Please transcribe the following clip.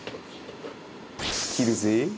「切るぜぇ」